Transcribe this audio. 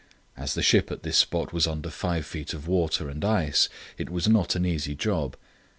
As the ship at this spot was under 5 ft. of water and ice, it was not an easy job.